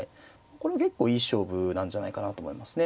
これは結構いい勝負なんじゃないかなと思いますね。